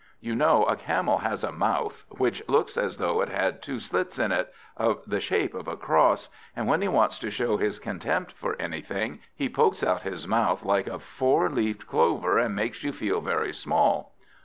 You know a Camel has a mouth which looks as though it had two slits in it, of the shape of a cross; and when he wants to show his contempt for anything he pokes out his mouth like a four leaved clover, and makes you feel very small.